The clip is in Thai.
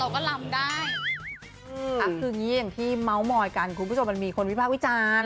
คืออย่างนี้ที่เม้ามอยกันคุณผู้ชมมันมีคนวิภาควิจารณ์